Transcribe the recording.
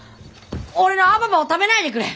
俺のアババを食べないでくれ！